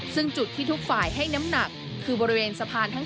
ซึ่งจุดที่ทุกฝ่ายให้น้ำหนักคือบริเวณสะพานทั้ง๓